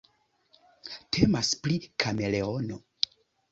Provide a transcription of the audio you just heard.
Temas pri kameleono.